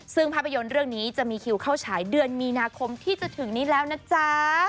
ซึ่งภาพยนตร์เรื่องนี้จะมีคิวเข้าฉายเดือนมีนาคมที่จะถึงนี้แล้วนะจ๊ะ